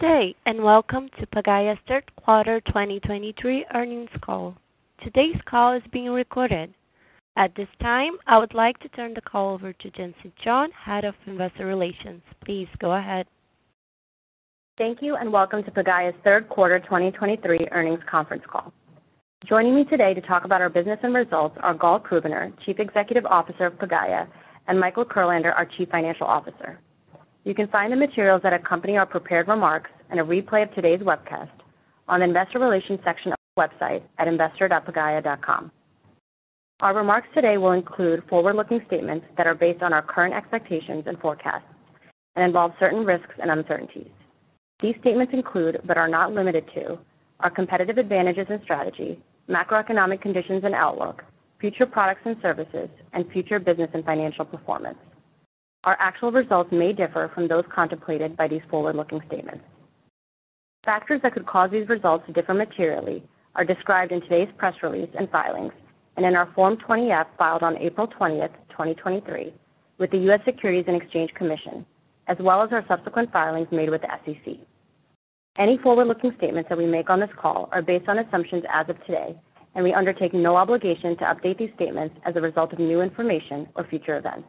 Good day, and welcome to Pagaya's third quarter 2023 earnings call. Today's call is being recorded. At this time, I would like to turn the call over to Jency John, Head of Investor Relations. Please go ahead. Thank you, and welcome to Pagaya's Third Quarter 2023 Earnings Conference Call. Joining me today to talk about our business and results are Gal Krubiner, Chief Executive Officer of Pagaya, and Michael Kurlander, our Chief Financial Officer. You can find the materials that accompany our prepared remarks and a replay of today's webcast on the investor relations section of our website at investor.pagaya.com. Our remarks today will include forward-looking statements that are based on our current expectations and forecasts and involve certain risks and uncertainties. These statements include, but are not limited to: our competitive advantages and strategy, macroeconomic conditions and outlook, future products and services, and future business and financial performance. Our actual results may differ from those contemplated by these forward-looking statements. Factors that could cause these results to differ materially are described in today's press release and filings, and in our Form 20-F, filed on April 20, 2023, with the U.S. Securities and Exchange Commission, as well as our subsequent filings made with the SEC. Any forward-looking statements that we make on this call are based on assumptions as of today, and we undertake no obligation to update these statements as a result of new information or future events.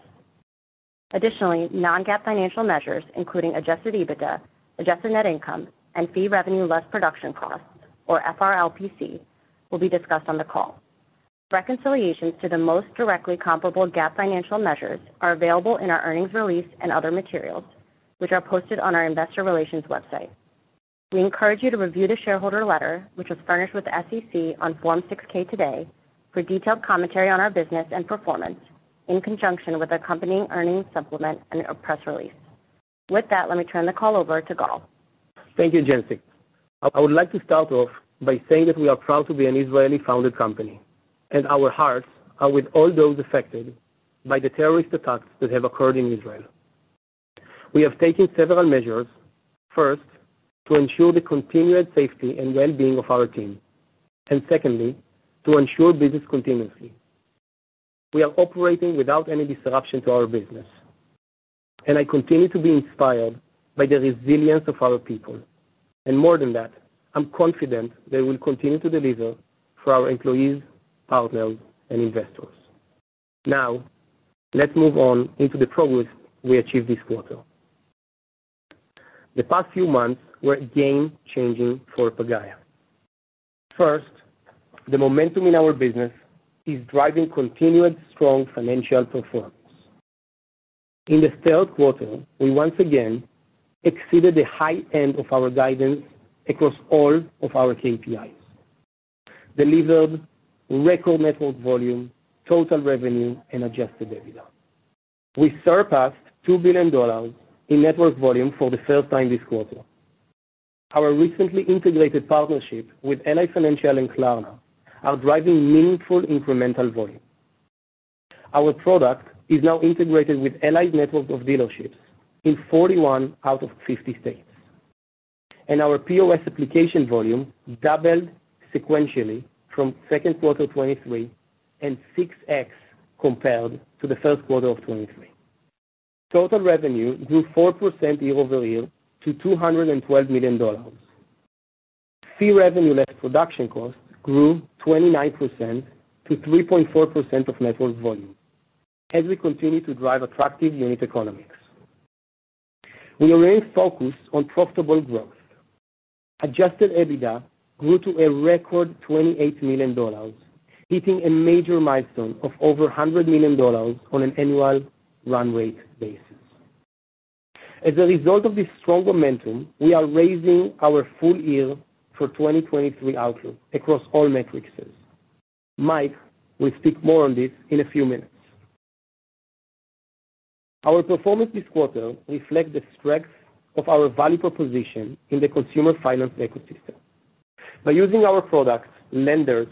Additionally, non-GAAP financial measures, including Adjusted EBITDA, Adjusted Net Income, and Fee Revenue Less Production Costs, or FRLPC, will be discussed on the call. Reconciliations to the most directly comparable GAAP financial measures are available in our earnings release and other materials, which are posted on our investor relations website. We encourage you to review the shareholder letter, which was furnished with the SEC on Form 6-K today, for detailed commentary on our business and performance, in conjunction with accompanying earnings supplement and a press release. With that, let me turn the call over to Gal. Thank you, Jency. I would like to start off by saying that we are proud to be an Israeli-founded company, and our hearts are with all those affected by the terrorist attacks that have occurred in Israel. We have taken several measures, first, to ensure the continued safety and well-being of our team, and secondly, to ensure business continuously. We are operating without any disruption to our business, and I continue to be inspired by the resilience of our people, and more than that, I'm confident they will continue to deliver for our employees, partners, and investors. Now, let's move on into the progress we achieved this quarter. The past few months were game-changing for Pagaya. First, the momentum in our business is driving continued strong financial performance. In this third quarter, we once again exceeded the high end of our guidance across all of our KPIs, delivered record network volume, total revenue, and Adjusted EBITDA. We surpassed $2 billion in network volume for the third time this quarter. Our recently integrated partnership with Ally Financial and Klarna are driving meaningful incremental volume. Our product is now integrated with Ally's network of dealerships in 41 out of 50 states, and our POS application volume doubled sequentially from second quarter 2023 and 6x compared to the first quarter of 2023. Total revenue grew 4% year-over-year to $212 million. Fee revenue less production costs grew 29% to 3.4% of network volume as we continue to drive attractive unit economics. We remain focused on profitable growth. Adjusted EBITDA grew to a record $28 million, hitting a major milestone of over $100 million on an annual run rate basis. As a result of this strong momentum, we are raising our full year for 2023 outlook across all metrics. Mike will speak more on this in a few minutes. Our performance this quarter reflects the strength of our value proposition in the consumer finance ecosystem. By using our products, lenders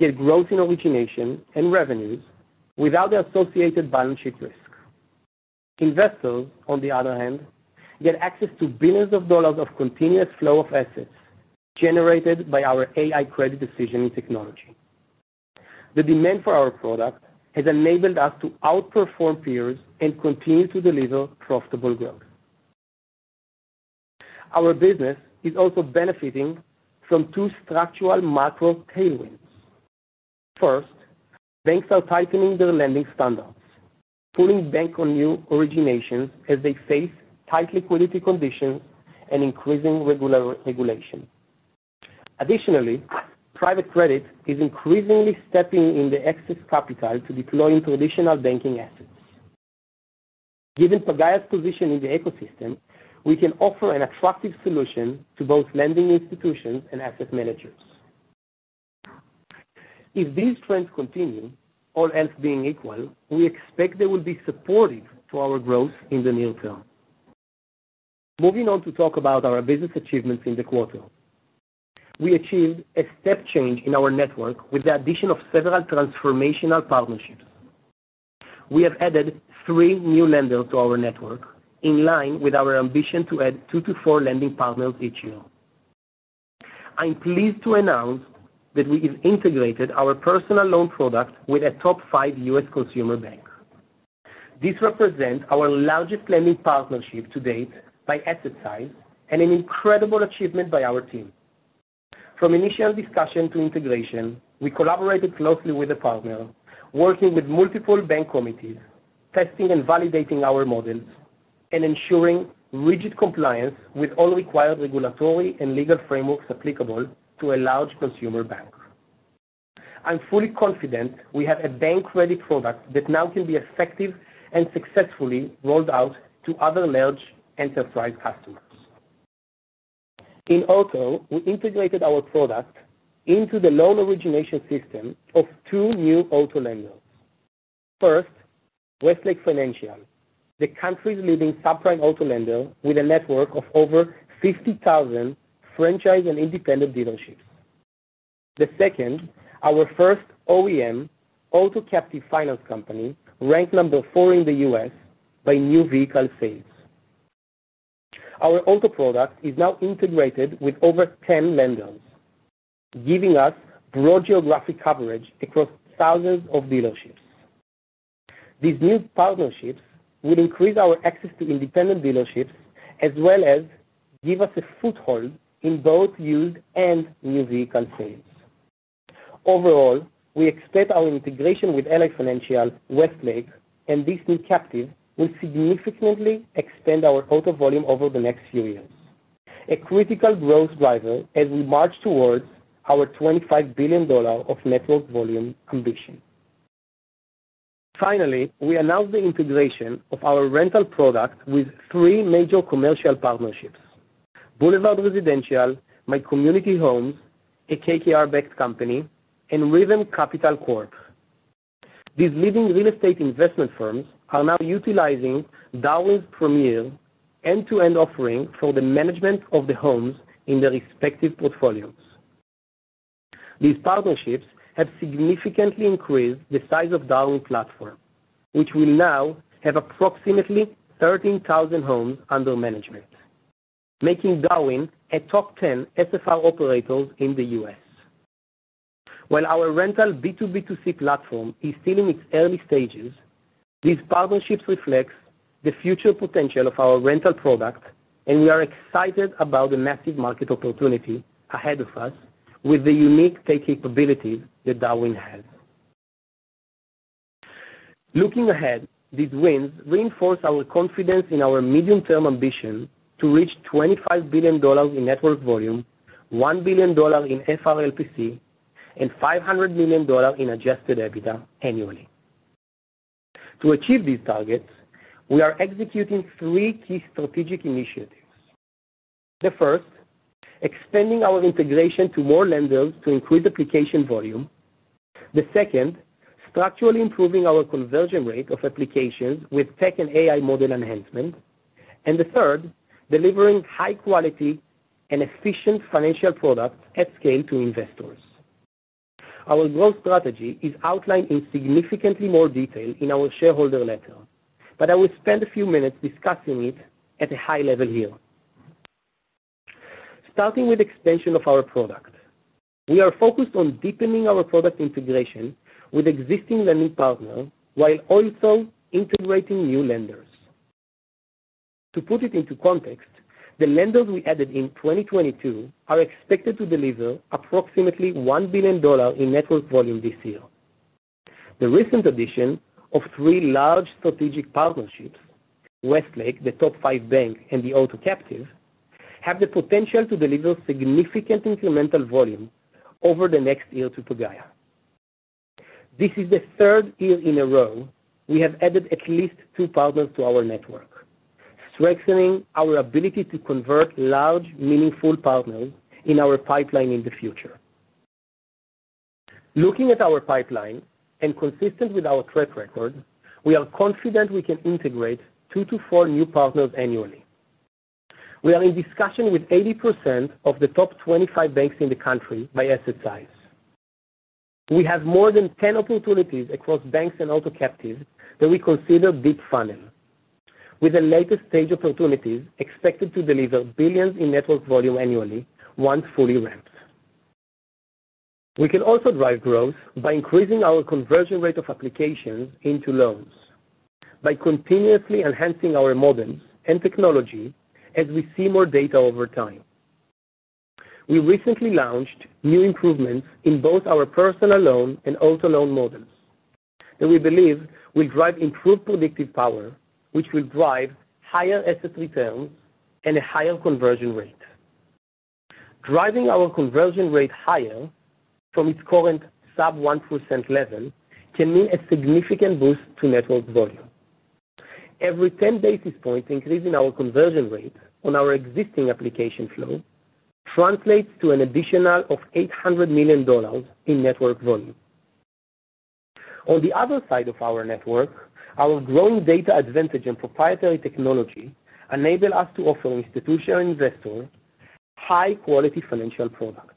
get growth in origination and revenues without the associated balance sheet risk. Investors, on the other hand, get access to billions of dollars of continuous flow of assets generated by our AI credit decisioning technology. The demand for our product has enabled us to outperform peers and continue to deliver profitable growth. Our business is also benefiting from two structural macro tailwinds. First, banks are tightening their lending standards, pulling back on new originations as they face tight liquidity conditions and increasing regulation. Additionally, private credit is increasingly stepping in with excess capital to deploy into traditional banking assets. Given Pagaya's position in the ecosystem, we can offer an attractive solution to both lending institutions and asset managers. If these trends continue, all else being equal, we expect they will be supportive to our growth in the near term. Moving on to talk about our business achievements in the quarter. We achieved a step change in our network with the addition of several transformational partnerships. We have added three new lenders to our network, in line with our ambition to add two to four lending partners each year. I'm pleased to announce that we have integrated our personal loan product with a top five U.S. consumer bank. This represents our largest lending partnership to date by asset size, and an incredible achievement by our team. From initial discussion to integration, we collaborated closely with the partner, working with multiple bank committees, testing and validating our models, and ensuring rigid compliance with all required regulatory and legal frameworks applicable to a large consumer bank. I'm fully confident we have a bank credit product that now can be effective and successfully rolled out to other large enterprise customers. In auto, we integrated our product into the loan origination system of two new auto lenders. First, Westlake Financial, the country's leading subprime auto lender, with a network of over 50,000 franchise and independent dealerships. The second, our first OEM auto captive finance company, ranked number four in the U.S. by new vehicle sales. Our auto product is now integrated with over 10 lenders, giving us broad geographic coverage across thousands of dealerships. These new partnerships will increase our access to independent dealerships, as well as give us a foothold in both used and new vehicle sales. Overall, we expect our integration with Ally Financial, Westlake Financial, and this new captive, will significantly expand our auto volume over the next few years. A critical growth driver as we march towards our $25 billion of network volume ambition. Finally, we announced the integration of our rental product with three major commercial partnerships: BLVD Residential, My Community Homes, a KKR-backed company, and Rithm Capital Corp. These leading real estate investment firms are now utilizing Darwin's premier end-to-end offering for the management of the homes in their respective portfolios. These partnerships have significantly increased the size of Darwin platform, which will now have approximately 13,000 homes under management, making Darwin a top 10 SFR operators in the U.S. While our rental B2B2C platform is still in its early stages, these partnerships reflects the future potential of our rental product, and we are excited about the massive market opportunity ahead of us with the unique tech capabilities that Darwin has. Looking ahead, these wins reinforce our confidence in our medium-term ambition to reach $25 billion in network volume, $1 billion in FRLPC, and $500 million in Adjusted EBITDA annually. To achieve these targets, we are executing three key strategic initiatives. The first, extending our integration to more lenders to increase application volume. The second, structurally improving our conversion rate of applications with tech and AI model enhancements. The third, delivering high quality and efficient financial products at scale to investors. Our growth strategy is outlined in significantly more detail in our shareholder letter, but I will spend a few minutes discussing it at a high level here. Starting with expansion of our product. We are focused on deepening our product integration with existing lending partners, while also integrating new lenders. To put it into context, the lenders we added in 2022 are expected to deliver approximately $1 billion in network volume this year. The recent addition of three large strategic partnerships, Westlake, the top five bank, and the auto captive, have the potential to deliver significant incremental volume over the next year to Pagaya. This is the third year in a row we have added at least two partners to our network, strengthening our ability to convert large, meaningful partners in our pipeline in the future. Looking at our pipeline, and consistent with our track record, we are confident we can integrate two to four new partners annually. We are in discussion with 80% of the top 25 banks in the country by asset size. We have more than 10 opportunities across banks and auto captives that we consider deep funnel, with the latest stage opportunities expected to deliver billions in network volume annually once fully ramped. We can also drive growth by increasing our conversion rate of applications into loans, by continuously enhancing our models and technology as we see more data over time. We recently launched new improvements in both our personal loan and auto loan models, that we believe will drive improved predictive power, which will drive higher asset returns and a higher conversion rate. Driving our conversion rate higher from its current sub 1% level, can mean a significant boost to network volume. Every 10 basis points increase in our conversion rate on our existing application flow, translates to an additional of $800 million in network volume. On the other side of our network, our growing data advantage and proprietary technology enable us to offer institutional investors high-quality financial products.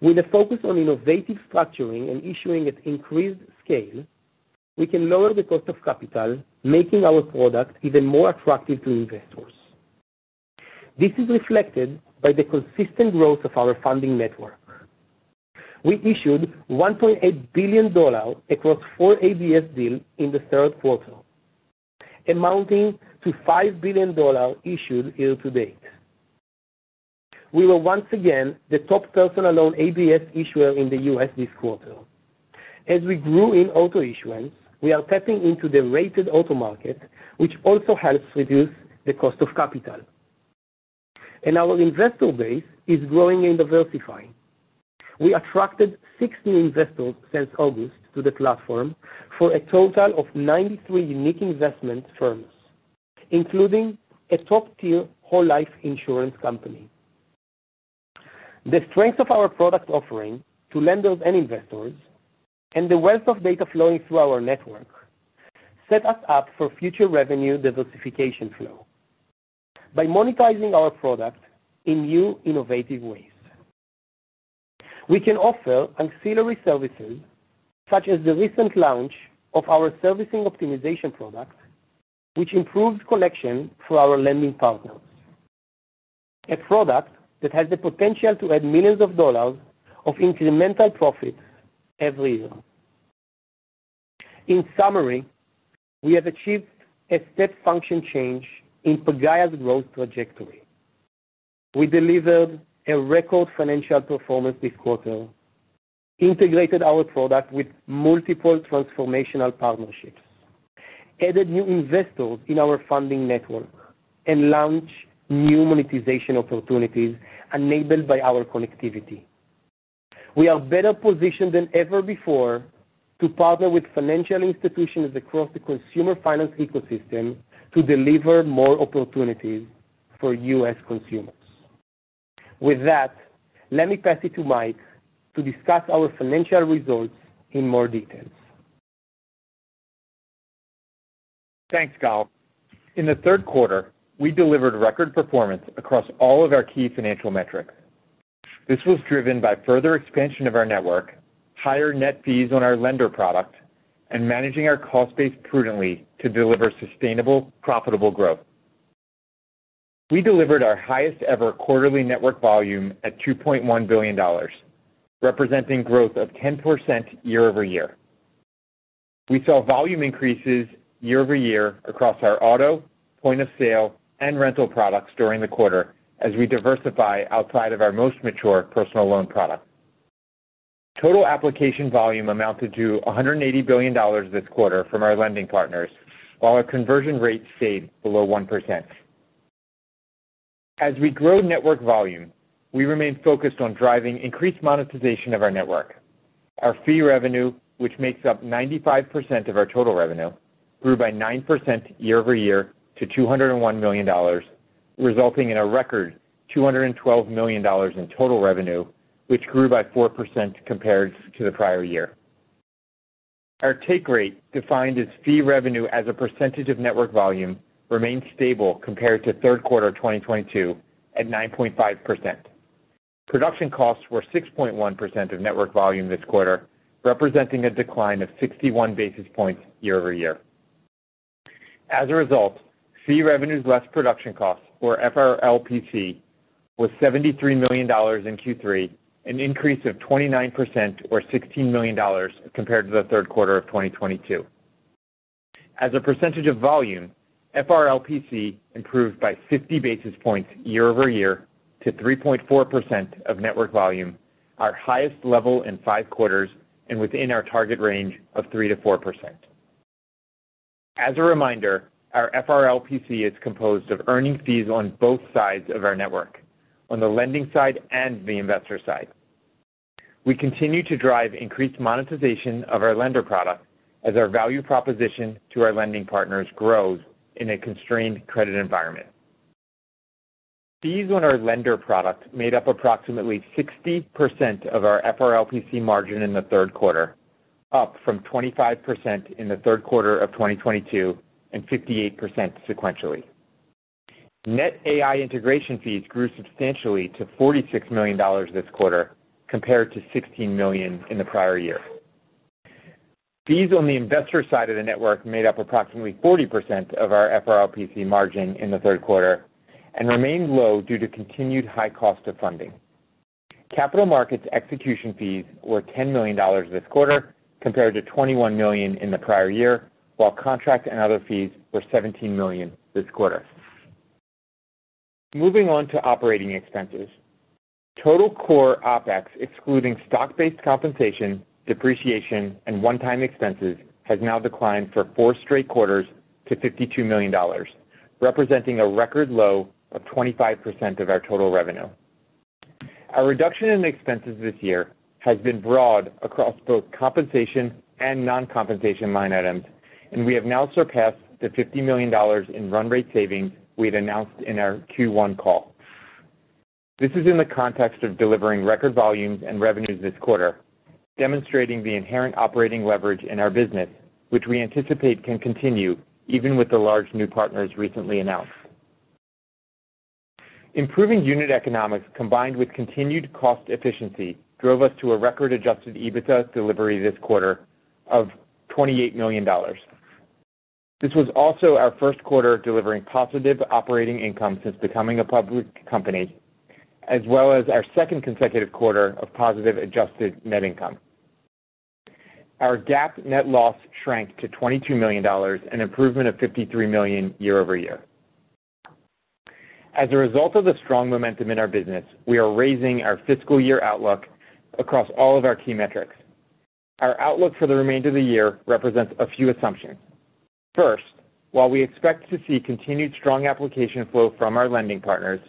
With a focus on innovative structuring and issuing at increased scale, we can lower the cost of capital, making our product even more attractive to investors. This is reflected by the consistent growth of our funding network. We issued $1.8 billion across four ABS deals in the third quarter, amounting to $5 billion issued year to date. We were once again the top personal loan ABS issuer in the U.S. this quarter. As we grew in auto issuance, we are tapping into the rated auto market, which also helps reduce the cost of capital. Our investor base is growing and diversifying. We attracted six new investors since August to the platform, for a total of 93 unique investment firms, including a top-tier whole life insurance company. The strength of our product offering to lenders and investors, and the wealth of data flowing through our network, set us up for future revenue diversification flow. By monetizing our product in new, innovative ways, we can offer ancillary services, such as the recent launch of our servicing optimization product, which improves collection for our lending partners. A product that has the potential to add millions of dollars of incremental profit every year. In summary, we have achieved a step function change in Pagaya's growth trajectory. We delivered a record financial performance this quarter, integrated our product with multiple transformational partnerships, added new investors in our funding network, and launched new monetization opportunities enabled by our connectivity. We are better positioned than ever before to partner with financial institutions across the consumer finance ecosystem to deliver more opportunities for U.S. consumers. With that, let me pass it to Mike to discuss our financial results in more details. Thanks, Gal. In the third quarter, we delivered record performance across all of our key financial metrics. This was driven by further expansion of our network, higher net fees on our lender product, and managing our cost base prudently to deliver sustainable, profitable growth. We delivered our highest ever quarterly network volume at $2.1 billion, representing growth of 10% year over year. We saw volume increases year over year across our auto, point-of-sale, and rental products during the quarter, as we diversify outside of our most mature personal loan product. Total application volume amounted to $180 billion this quarter from our lending partners, while our conversion rate stayed below 1%. As we grow network volume, we remain focused on driving increased monetization of our network. Our fee revenue, which makes up 95% of our total revenue, grew by 9% year-over-year to $201 million, resulting in a record $212 million in total revenue, which grew by 4% compared to the prior year. Our take rate, defined as fee revenue as a percentage of network volume, remained stable compared to third quarter 2022, at 9.5%. Production costs were 6.1% of network volume this quarter, representing a decline of 61 basis points year-over-year. As a result, fee revenues less production costs, or FRLPC, was $73 million in Q3, an increase of 29% or $16 million compared to the third quarter of 2022. As a percentage of volume, FRLPC improved by 50 basis points year over year to 3.4% of network volume, our highest level in five quarters, and within our target range of 3%-4%. As a reminder, our FRLPC is composed of earning fees on both sides of our network, on the lending side and the investor side. We continue to drive increased monetization of our lender product as our value proposition to our lending partners grows in a constrained credit environment. Fees on our lender product made up approximately 60% of our FRLPC margin in the third quarter, up from 25% in the third quarter of 2022, and 58% sequentially. Net AI integration fees grew substantially to $46 million this quarter, compared to $16 million in the prior year. Fees on the investor side of the network made up approximately 40% of our FRLPC margin in the third quarter and remained low due to continued high cost of funding. Capital markets execution fees were $10 million this quarter, compared to $21 million in the prior year, while contract and other fees were $17 million this quarter. Moving on to operating expenses. Total core OpEx, excluding stock-based compensation, depreciation, and one-time expenses, has now declined for four straight quarters to $52 million, representing a record low of 25% of our total revenue. Our reduction in expenses this year has been broad across both compensation and non-compensation line items, and we have now surpassed the $50 million in run rate savings we had announced in our Q1 call. This is in the context of delivering record volumes and revenues this quarter, demonstrating the inherent operating leverage in our business, which we anticipate can continue even with the large new partners recently announced. Improving unit economics, combined with continued cost efficiency, drove us to a record Adjusted EBITDA delivery this quarter of $28 million. This was also our first quarter delivering positive operating income since becoming a public company, as well as our second consecutive quarter of positive Adjusted Net Income. Our GAAP net loss shrank to $22 million, an improvement of $53 million year-over-year. As a result of the strong momentum in our business, we are raising our fiscal year outlook across all of our key metrics. Our outlook for the remainder of the year represents a few assumptions. First, while we expect to see continued strong application flow from our lending partners,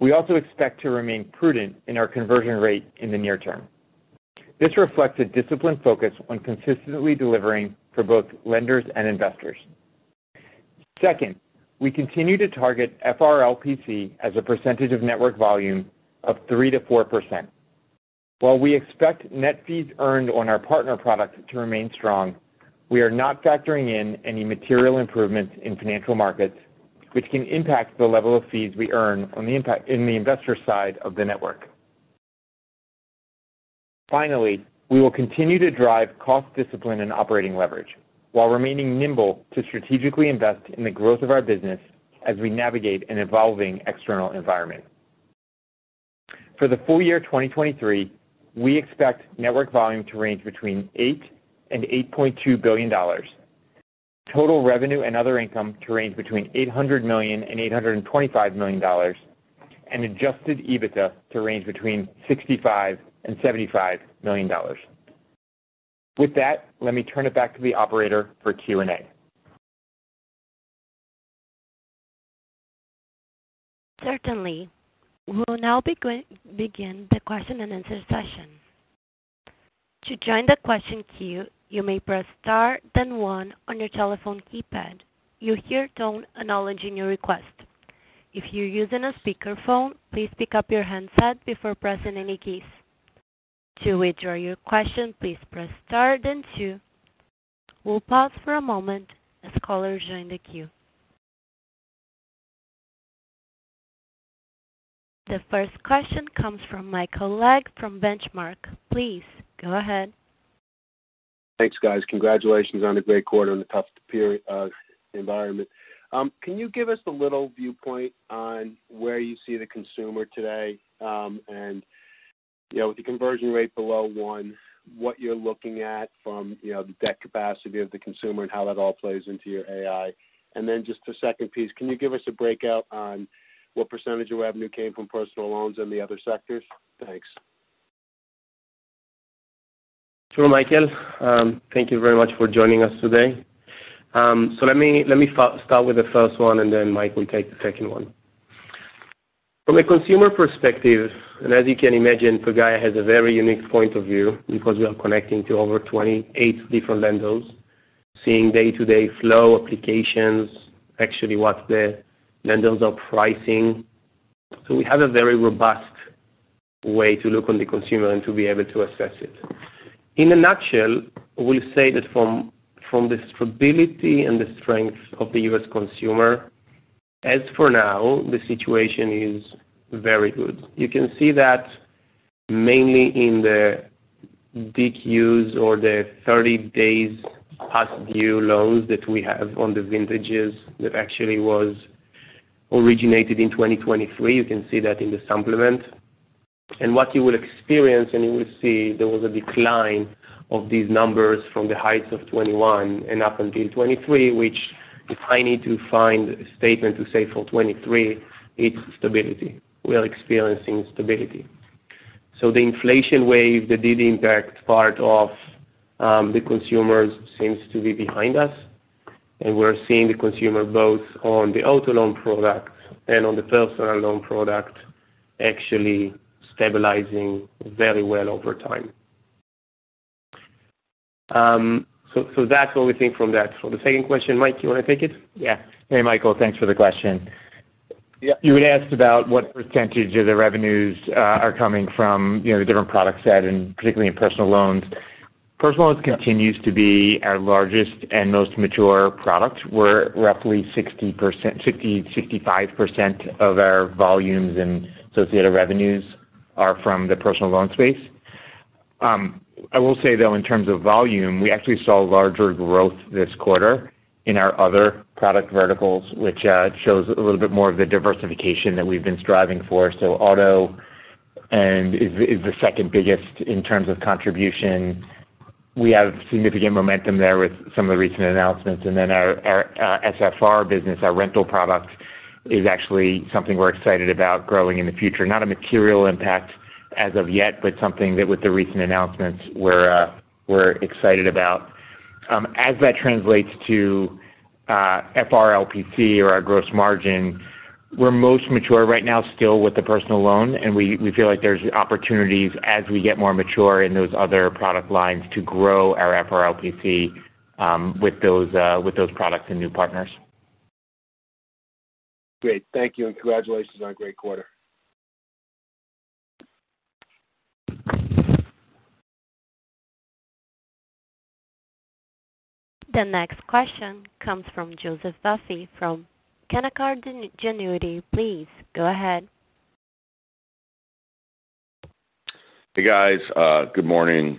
we also expect to remain prudent in our conversion rate in the near term. This reflects a disciplined focus on consistently delivering for both lenders and investors. Second, we continue to target FRLPC as a percentage of network volume of 3%-4%. While we expect net fees earned on our partner products to remain strong, we are not factoring in any material improvements in financial markets, which can impact the level of fees we earn on the impact in the investor side of the network. Finally, we will continue to drive cost discipline and operating leverage while remaining nimble to strategically invest in the growth of our business as we navigate an evolving external environment. For the full year 2023, we expect network volume to range between $8 billion and $8.2 billion. Total revenue and other income to range between $800 million and $825 million, and adjusted EBITDA to range between $65 million and $75 million. With that, let me turn it back to the operator for Q&A. Certainly. We'll now begin the question and answer session. To join the question queue, you may press star, then one on your telephone keypad. You'll hear a tone acknowledging your request. If you're using a speakerphone, please pick up your handset before pressing any keys. To withdraw your question, please press star then two. We'll pause for a moment as callers join the queue. The first question comes from Michael Legg from Benchmark. Please go ahead. Thanks, guys. Congratulations on a great quarter in a tough period, environment. Can you give us a little viewpoint on where you see the consumer today? And, you know, with the conversion rate below one, what you're looking at from, you know, the debt capacity of the consumer and how that all plays into your AI. And then just a second piece, can you give us a breakout on what percentage of revenue came from personal loans and the other sectors? Thanks. Sure, Michael. Thank you very much for joining us today. So let me start with the first one, and then Mike will take the second one. From a consumer perspective, and as you can imagine, Pagaya has a very unique point of view because we are connecting to over 28 different lenders, seeing day-to-day flow applications, actually what the lenders are pricing. So we have a very robust way to look on the consumer and to be able to assess it. In a nutshell, we'll say that from the stability and the strength of the U.S. consumer, as for now, the situation is very good. You can see that mainly in the DQs or the 30 days past due loans that we have on the vintages that actually was originated in 2023. You can see that in the supplement. What you will experience, and you will see there was a decline of these numbers from the heights of 2021 and up until 2023, which if I need to find a statement to say for 2023, it's stability. We are experiencing stability. So the inflation wave that did impact part of the consumers seems to be behind us, and we're seeing the consumer both on the auto loan products and on the personal loan product, actually stabilizing very well over time. So that's what we think from that. So the second question, Mike, you want to take it? Yeah. Hey, Michael, thanks for the question. Yeah. You had asked about what percentage of the revenues are coming from, you know, the different product set and particularly in personal loans. Personal loans continues to be our largest and most mature product, where roughly 60%-65% of our volumes and associated revenues are from the personal loan space. I will say, though, in terms of volume, we actually saw larger growth this quarter in our other product verticals, which shows a little bit more of the diversification that we've been striving for. Auto is the second biggest in terms of contribution. We have significant momentum there with some of the recent announcements, and then our SFR business, our rental products, is actually something we're excited about growing in the future. Not a material impact as of yet, but something that with the recent announcements, we're excited about. As that translates to FRLPC or our gross margin, we're most mature right now still with the personal loan, and we feel like there's opportunities as we get more mature in those other product lines to grow our FRLPC with those products and new partners. Great. Thank you, and congratulations on a great quarter. The next question comes from Joseph Vafi from Canaccord Genuity. Please go ahead. Hey, guys, good morning.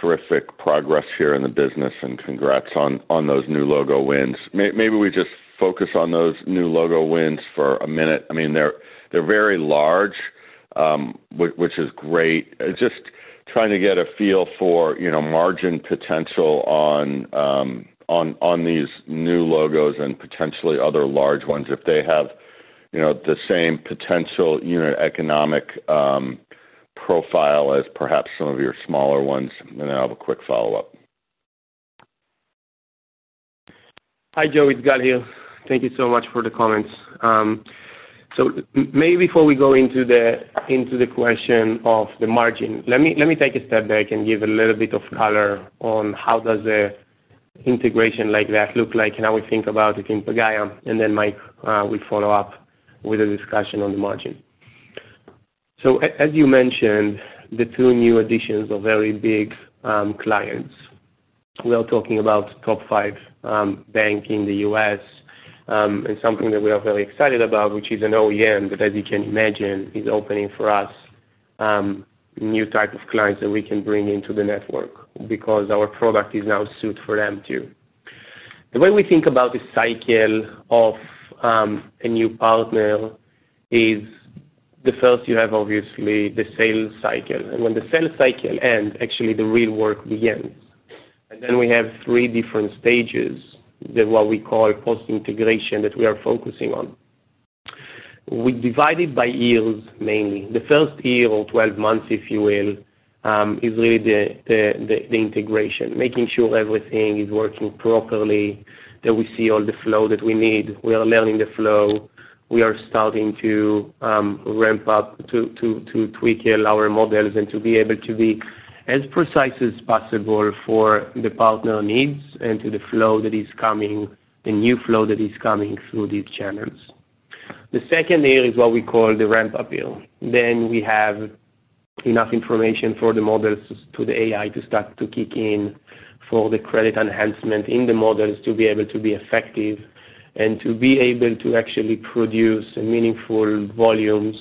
Terrific progress here in the business, and congrats on those new logo wins. Maybe we just focus on those new logo wins for a minute. I mean, they're very large, which is great. Just trying to get a feel for, you know, margin potential on these new logos and potentially other large ones, if they have, you know, the same potential unit economic profile as perhaps some of your smaller ones. And then I have a quick follow-up. Hi, Joe, it's Gal here. Thank you so much for the comments. So maybe before we go into the question of the margin, let me take a step back and give a little bit of color on how does an integration like that look like, and how we think about it in Pagaya, and then Mike will follow up with a discussion on the margin. So as you mentioned, the two new additions are very big clients. We are talking about top five bank in the U.S., and something that we are very excited about, which is an OEM, but as you can imagine, is opening for us new type of clients that we can bring into the network because our product is now suited for them, too. The way we think about the cycle of a new partner is, the first you have, obviously, the sales cycle. When the sales cycle ends, actually the real work begins. Then we have three different stages, that what we call post-integration, that we are focusing on. We divide it by years, mainly. The first year or 12 months, if you will, is really the integration, making sure everything is working properly, that we see all the flow that we need. We are learning the flow. We are starting to ramp up to tweak our models and to be able to be as precise as possible for the partner needs and to the flow that is coming, the new flow that is coming through these channels. The second year is what we call the ramp-up year. Then we have enough information for the models to the AI to start to kick in, for the credit enhancement in the models to be able to be effective, and to be able to actually produce meaningful volumes,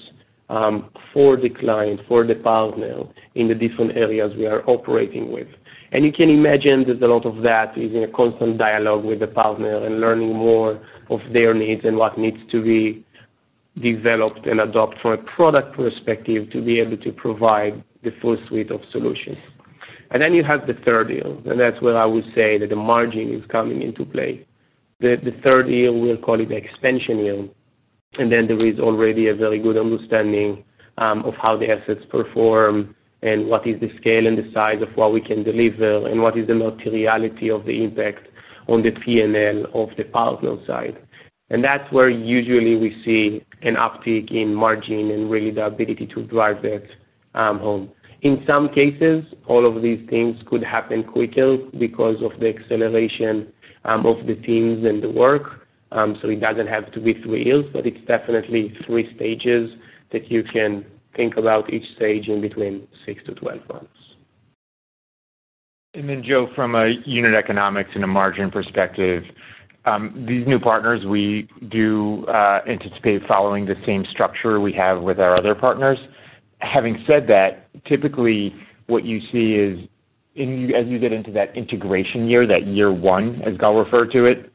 for the client, for the partner in the different areas we are operating with. And you can imagine that a lot of that is in a constant dialogue with the partner and learning more of their needs and what needs to be developed and adopt from a product perspective, to be able to provide the full suite of solutions. And then you have the third year, and that's where I would say that the margin is coming into play. The third year, we'll call it the expansion year. Then there is already a very good understanding of how the assets perform and what is the scale and the size of what we can deliver, and what is the materiality of the impact on the P&L of the partner side. That's where usually we see an uptick in margin and really the ability to drive that home. In some cases, all of these things could happen quicker because of the acceleration of the teams and the work. So it doesn't have to be three years, but it's definitely three stages that you can think about each stage in between six to 12 months. Then, Joe, from a unit economics and a margin perspective, these new partners, we do anticipate following the same structure we have with our other partners. Having said that, typically what you see is, and as you get into that integration year, that year one, as Gal referred to it,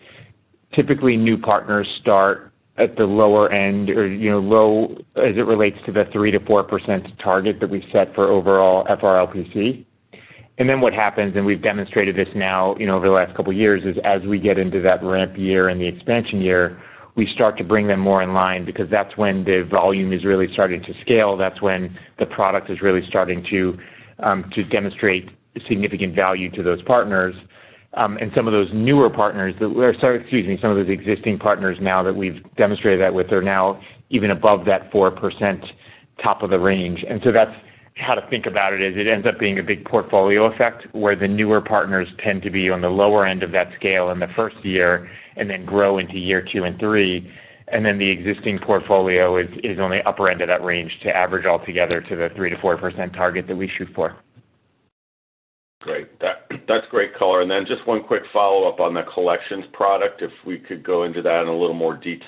typically new partners start at the lower end or, you know, low as it relates to the 3%-4% target that we've set for overall FRLPC. Then what happens, and we've demonstrated this now, you know, over the last couple of years, is as we get into that ramp year and the expansion year, we start to bring them more in line, because that's when the volume is really starting to scale. That's when the product is really starting to demonstrate significant value to those partners. Some of those existing partners now that we've demonstrated that with, are now even above that 4% top of the range. And so that's how to think about it, is it ends up being a big portfolio effect, where the newer partners tend to be on the lower end of that scale in the first year and then grow into year two and three. And then the existing portfolio is on the upper end of that range to average altogether to the 3%-4% target that we shoot for. Great. That's great color. And then just one quick follow-up on the collections product, if we could go into that in a little more detail.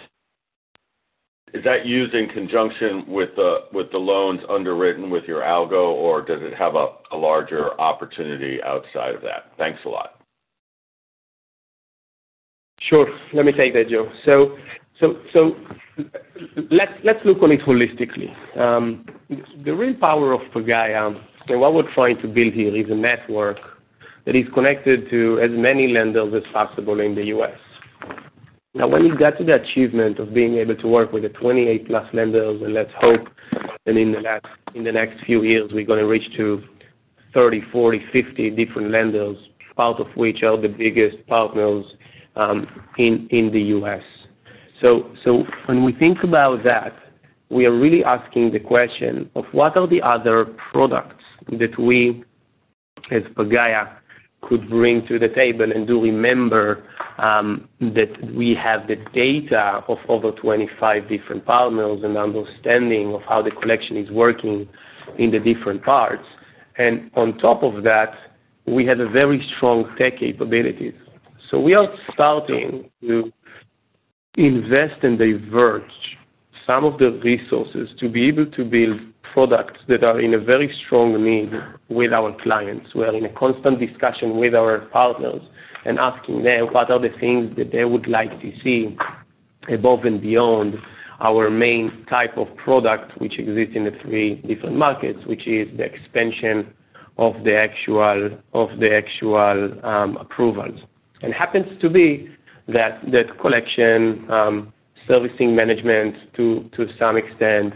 Is that used in conjunction with the, with the loans underwritten with your algo, or does it have a, a larger opportunity outside of that? Thanks a lot. Sure. Let me take that, Joe. So let's look on it holistically. The real power of Pagaya and what we're trying to build here is a network that is connected to as many lenders as possible in the U.S. Now, when you get to the achievement of being able to work with the 28+ lenders, and let's hope that in the next few years, we're gonna reach 30, 40, 50 different lenders, part of which are the biggest partners in the U.S. So when we think about that, we are really asking the question of what are the other products that we, as Pagaya, could bring to the table? And do remember that we have the data of over 25 different partners and understanding of how the collection is working in the different parts. We have very strong tech capabilities. We are starting to invest and diverge some of the resources to be able to build products that are in a very strong need with our clients. We are in a constant discussion with our partners and asking them what are the things that they would like to see above and beyond our main type of product, which exists in the three different markets, which is the expansion of the actual, of the actual approvals. It happens to be that collection, servicing management to some extent,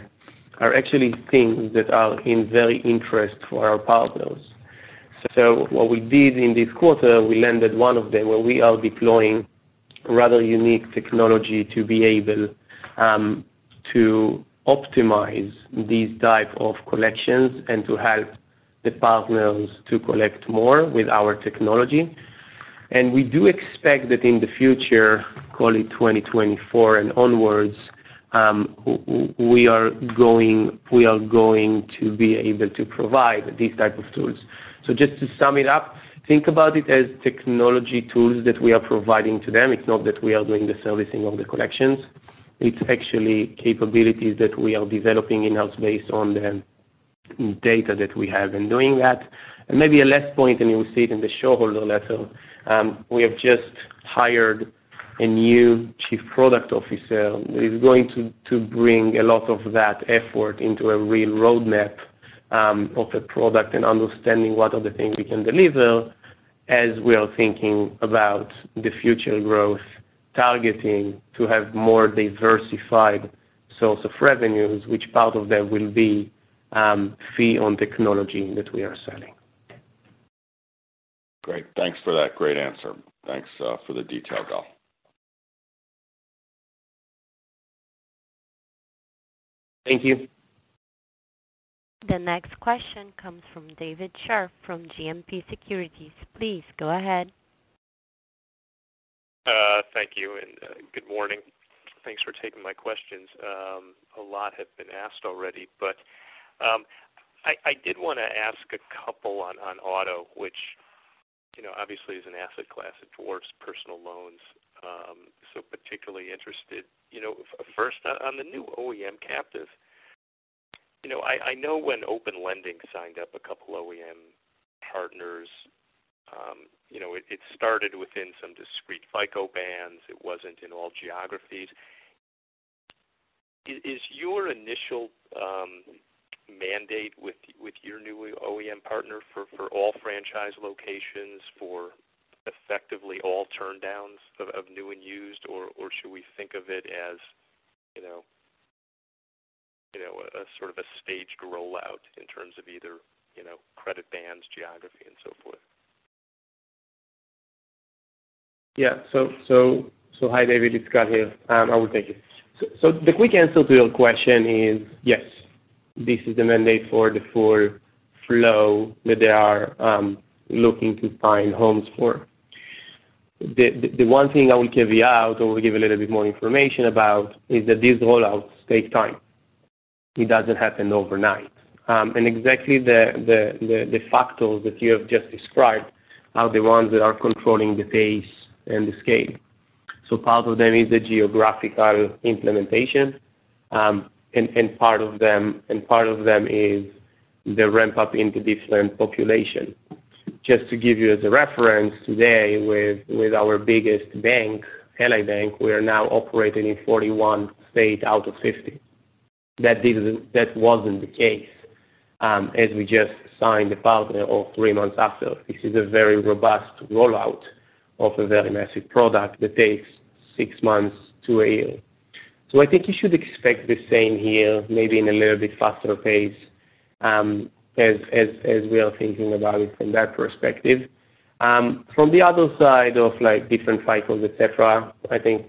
are actually things that are in very interest for our partners. So what we did in this quarter, we landed one of them, where we are deploying rather unique technology to be able to optimize these type of collections and to help the partners to collect more with our technology. And we do expect that in the future, call it 2024 and onwards, we are going to be able to provide these type of tools. So just to sum it up, think about it as technology tools that we are providing to them. It's not that we are doing the servicing of the collections. It's actually capabilities that we are developing in-house based on the data that we have in doing that. Maybe a last point, and you'll see it in the shareholder letter. We have just hired a new Chief Product Officer, who is going to, to bring a lot of that effort into a real roadmap of the product and understanding what are the things we can deliver as we are thinking about the future growth, targeting to have more diversified source of revenues, which part of them will be fee on technology that we are selling. Great! Thanks for that great answer. Thanks for the detail, Gal. Thank you. The next question comes from David Scharf from JMP Securities. Please go ahead. Thank you, and good morning. Thanks for taking my questions. A lot have been asked already, but I did want to ask a couple on auto, which, you know, obviously is an asset class, it dwarfs personal loans, so particularly interested. You know, first on the new OEM captive. You know, I know when Open Lending signed up a couple OEM partners, you know, it started within some discrete FICO bands. It wasn't in all geographies. Is your initial mandate with your new OEM partner for all franchise locations, for effectively all turndowns of new and used, or should we think of it as, you know, a sort of a staged rollout in terms of either, you know, credit bands, geography, and so forth? Yeah. So hi, David, it's Gal here. I will take it. So the quick answer to your question is, yes, this is the mandate for the full flow that they are looking to find homes for. The one thing I will caveat or give a little bit more information about is that these rollouts take time. It doesn't happen overnight. And exactly the factors that you have just described are the ones that are controlling the pace and the scale. So part of them is the geographical implementation, and part of them is the ramp-up into different population. Just to give you as a reference, today, with our biggest bank, Ally Bank, we are now operating in 41 states out of 50. That wasn't the case, as we just signed the partner all three months after. This is a very robust rollout of a very massive product that takes six months to a year. So I think you should expect the same here, maybe in a little bit faster pace, as we are thinking about it from that perspective. From the other side of like, different cycles, et cetera, I think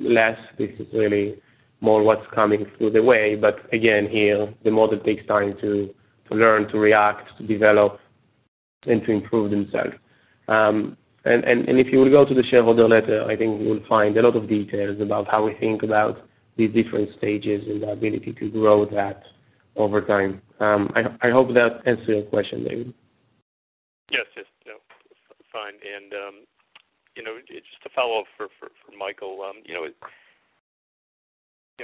less, this is really more what's coming through the way. But again, here, the model takes time to learn, to react, to develop, and to improve themselves. And if you will go to the shareholder letter, I think you will find a lot of details about how we think about these different stages and the ability to grow that over time. I hope that answers your question, David. Yes, yes. No, fine. And, you know, just a follow-up for Michael. You know,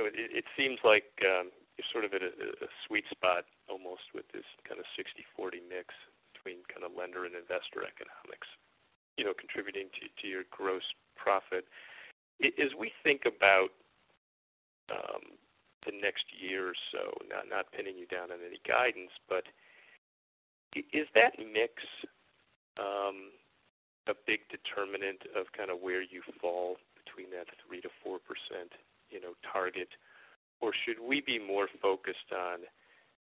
it seems like you're sort of at a sweet spot, almost with this kind of 60/40 mix between kind of lender and investor economics, you know, contributing to your gross profit. As we think about the next year or so, not pinning you down on any guidance, but is that mix a big determinant of kind of where you fall between that 3%-4% target? Or should we be more focused on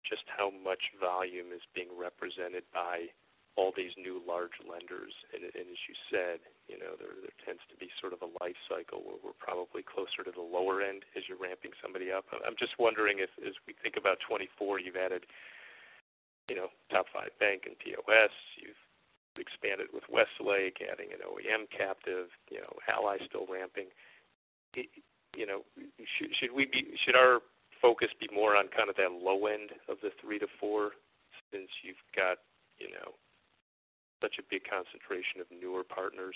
just how much volume is being represented by all these new large lenders? And as you said, you know, there tends to be sort of a life cycle where we're probably closer to the lower end as you're ramping somebody up. I'm just wondering if, as we think about 2024, you've added, you know, top-five bank and POS, you've expanded with Westlake, adding an OEM captive, you know, Ally still ramping. It-- You know, should, should we be-- should our focus be more on kind of that low end of the three to four, since you've got-... such a big concentration of newer partners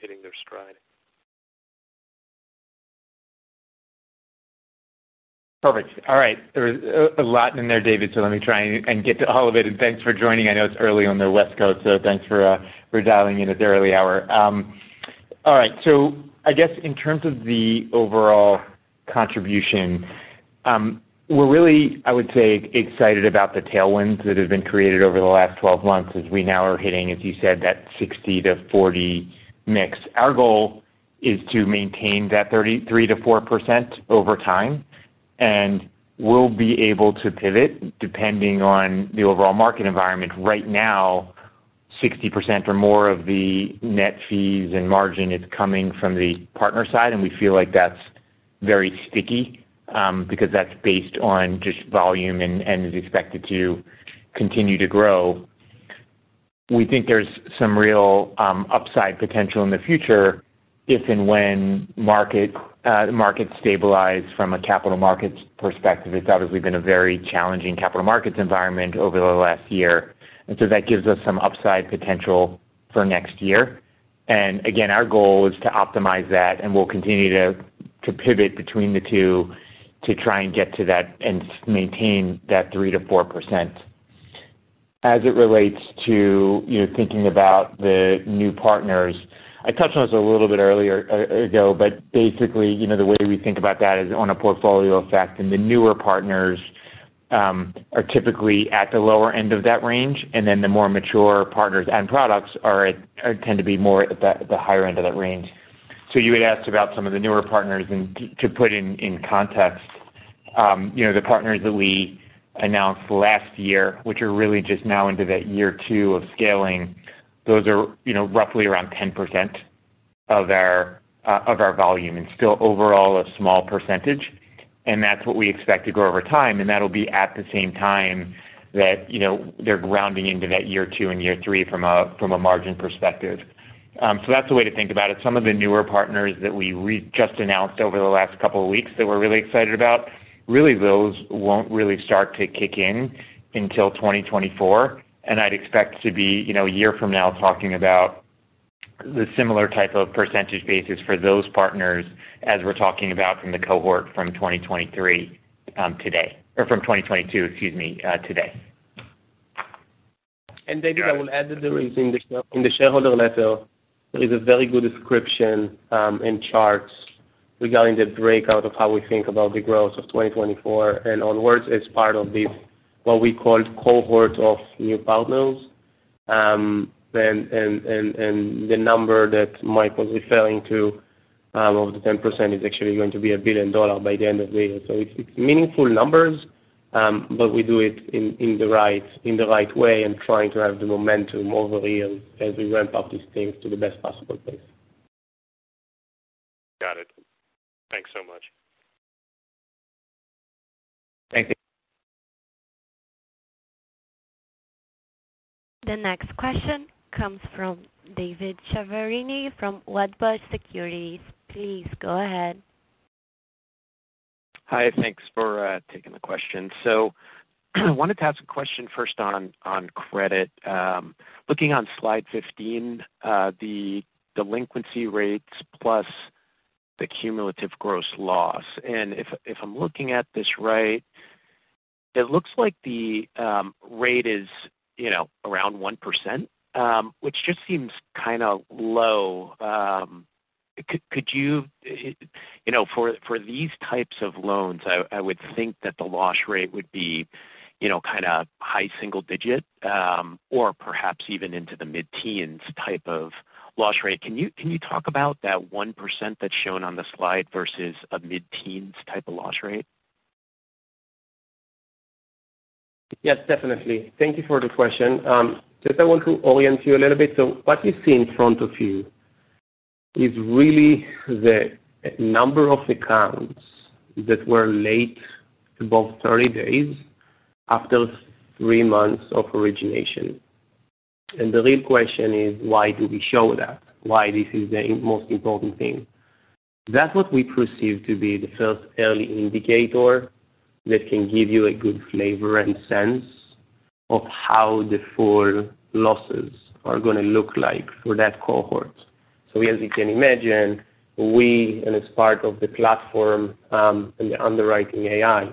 hitting their stride? Perfect. All right. There's a lot in there, David, so let me try and get to all of it, and thanks for joining. I know it's early on the West Coast, so thanks for dialing in at this early hour. All right. So I guess in terms of the overall contribution, we're really, I would say, excited about the tailwinds that have been created over the last 12 months as we now are hitting, as you said, that 60/40 mix. Our goal is to maintain that 30%, 3%-4% over time, and we'll be able to pivot depending on the overall market environment. Right now, 60% or more of the net fees and margin is coming from the partner side, and we feel like that's very sticky, because that's based on just volume and is expected to continue to grow. We think there's some real upside potential in the future if and when markets stabilize from a capital markets perspective. It's obviously been a very challenging capital markets environment over the last year, and so that gives us some upside potential for next year. And again, our goal is to optimize that, and we'll continue to pivot between the two to try and get to that and maintain that 3%-4%. As it relates to, you know, thinking about the new partners, I touched on this a little bit earlier, but basically, you know, the way we think about that is on a portfolio effect, and the newer partners are typically at the lower end of that range, and then the more mature partners and products tend to be more at the higher end of that range. So you had asked about some of the newer partners, and to put in context, you know, the partners that we announced last year, which are really just now into that year two of scaling, those are, you know, roughly around 10% of our volume, and still overall a small percentage. That's what we expect to grow over time, and that'll be at the same time that, you know, they're grounding into that year two and year three from a, from a margin perspective. So that's the way to think about it. Some of the newer partners that we, we just announced over the last couple of weeks that we're really excited about, really those won't really start to kick in until 2024, and I'd expect to be, you know, a year from now, talking about the similar type of percentage basis for those partners as we're talking about from the cohort from 2023, today, or from 2022, excuse me, today. And David, I will add that there is in the shareholder letter, there is a very good description, and charts regarding the breakout of how we think about the growth of 2024 and onwards as part of this, what we called cohort of new partners. Then, and the number that Mike was referring to, of the 10% is actually going to be a $1 billion by the end of the year. So it's meaningful numbers, but we do it in the right way and trying to have the momentum over the year as we ramp up these things to the best possible place. Got it. Thanks so much. Thank you. The next question comes from David Chiaverini from Wedbush Securities. Please go ahead. Hi, thanks for taking the question. So I wanted to ask a question first on credit. Looking on slide 15, the delinquency rates plus the cumulative gross loss. And if I'm looking at this right, it looks like the rate is, you know, around 1%, which just seems kinda low. Could you... You know, for these types of loans, I would think that the loss rate would be, you know, kinda high single digit, or perhaps even into the mid-teens type of loss rate. Can you talk about that 1% that's shown on the slide versus a mid-teens type of loss rate? Yes, definitely. Thank you for the question. Just I want to orient you a little bit. So what you see in front of you is really the number of accounts that were late, above 30 days, after three months of origination. And the real question is, why do we show that? Why this is the most important thing. That's what we perceive to be the first early indicator that can give you a good flavor and sense of how the full losses are gonna look like for that cohort. So as you can imagine, we, and as part of the platform, and the underwriting AI,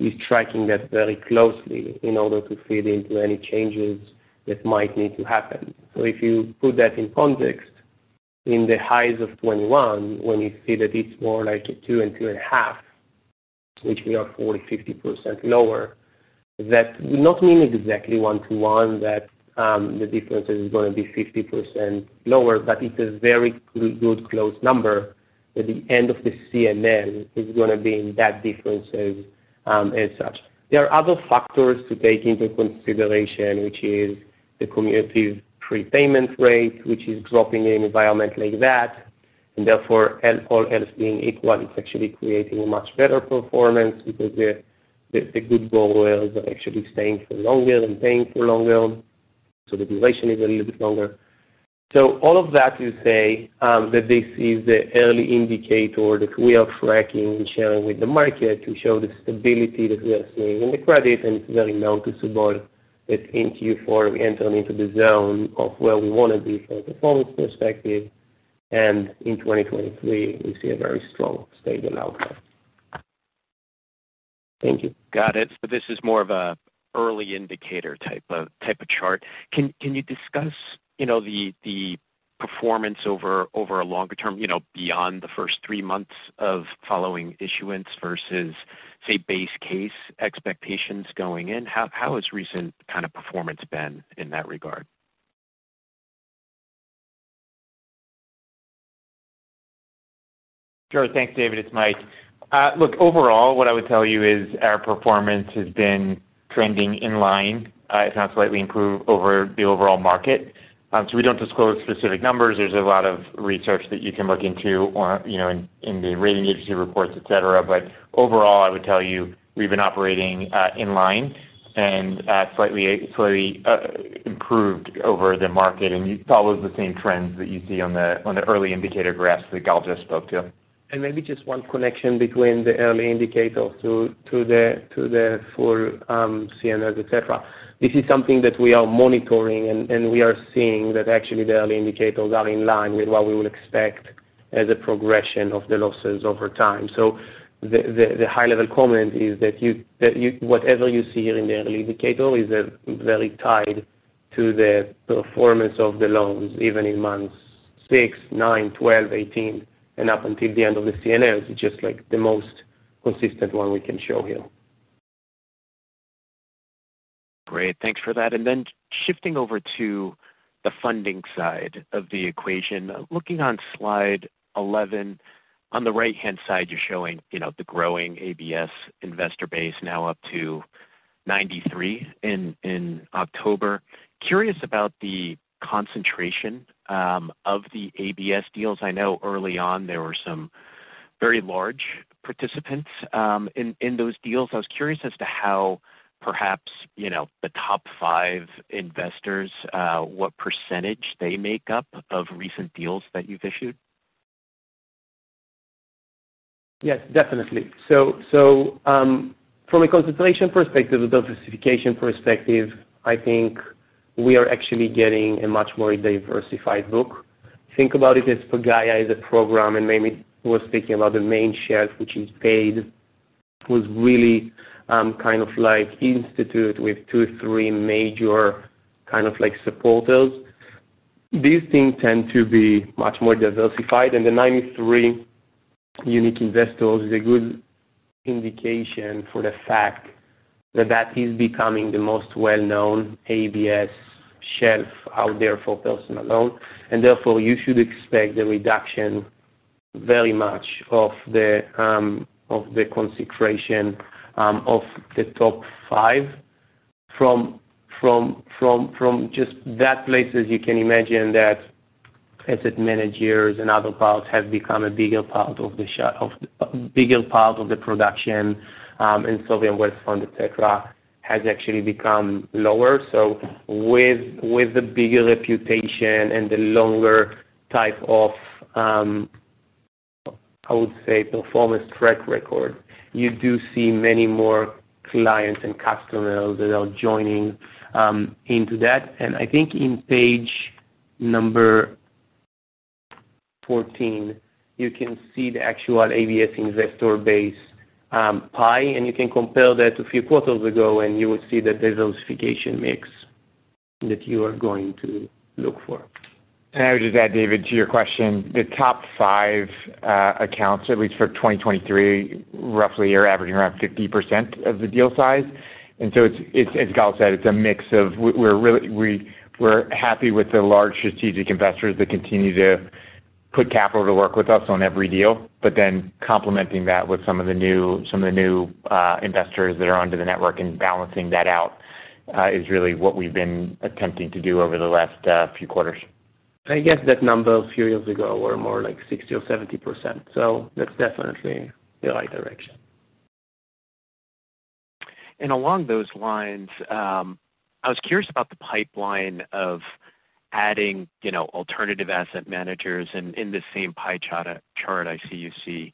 is tracking that very closely in order to fit into any changes that might need to happen. So if you put that in context, in the highs of 2021, when you see that it's more like a two and 2.5, which we are 40%-50% lower, that does not mean exactly 1:1, that the difference is gonna be 50% lower, but it's a very good close number. At the end of the CNL is gonna be in that difference, as such. There are other factors to take into consideration, which is the community's prepayment rate, which is dropping in an environment like that, and therefore, all else being equal, it's actually creating a much better performance because the good borrowers are actually staying for longer and paying for longer, so the duration is a little bit longer. So all of that to say, that this is the early indicator that we are tracking and sharing with the market to show the stability that we are seeing in the credit, and it's very noticeable that in Q4, we entered into the zone of where we want to be from a performance perspective, and in 2023, we see a very strong, stable outcome. Thank you. Got it. So this is more of an early indicator type of chart. Can you discuss, you know, the performance over a longer term, you know, beyond the first three months of following issuance versus, say, base case expectations going in? How has recent kind of performance been in that regard? Sure. Thanks, David. It's Mike. Look, overall, what I would tell you is our performance has been trending in line, if not slightly improved over the overall market. So we don't disclose specific numbers. There's a lot of research that you can look into or, you know, in the rating agency reports, et cetera. But overall, I would tell you, we've been operating in line and, slightly, slightly, improved over the market. And you follow the same trends that you see on the, on the early indicator graphs that Gal just spoke to. Maybe just one connection between the early indicators to the full CNLs, et cetera. This is something that we are monitoring and we are seeing that actually the early indicators are in line with what we would expect as a progression of the losses over time. So the high-level comment is that whatever you see here in the early indicator is very tied to the performance of the loans, even in months six, nine, 12, 18, and up until the end of the CNLs, it's just like the most consistent one we can show here. Great. Thanks for that. Then shifting over to the funding side of the equation. Looking on slide 11, on the right-hand side, you're showing, you know, the growing ABS investor base now up to 93 in October. Curious about the concentration of the ABS deals. I know early on there were some very large participants in those deals. I was curious as to how perhaps, you know, the top five investors, what percentage they make up of recent deals that you've issued. Yes, definitely. So, from a concentration perspective, a diversification perspective, I think we are actually getting a much more diversified book. Think about it as Pagaya is a program, and maybe was thinking about the main shelf, which is PAID, was really kind of like institutional with two, three major kind of like supporters. These things tend to be much more diversified, and the 93 unique investors is a good indication for the fact that that is becoming the most well-known ABS shelf out there for personal loan. And therefore, you should expect the reduction very much of the concentration of the top five from just that places. You can imagine that asset managers and other parts have become a bigger part of the share of the bigger part of the production, and sovereign wealth fund, et cetera, has actually become lower. So with the bigger reputation and the longer type of, I would say, performance track record, you do see many more clients and customers that are joining into that. And I think on page 14, you can see the actual ABS investor base pie, and you can compare that to a few quarters ago, and you will see that the diversification mix that you are going to look for. I would just add, David, to your question, the top five accounts, at least for 2023, roughly are averaging around 50% of the deal size. And so it's as Gal said, it's a mix of we're really happy with the large strategic investors that continue to put capital to work with us on every deal. But then complementing that with some of the new investors that are onto the network and balancing that out is really what we've been attempting to do over the last few quarters. I guess that number a few years ago were more like 60% or 70%, so that's definitely the right direction. And along those lines, I was curious about the pipeline of adding, you know, alternative asset managers. And in the same pie chart, I see,